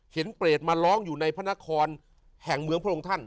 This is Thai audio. เปรตมาร้องอยู่ในพระนครแห่งเมืองพระองค์ท่าน